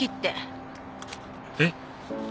えっ？